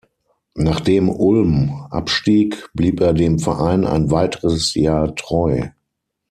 Nachdem Ulm abstieg, blieb er dem Verein ein weiteres Jahr treu.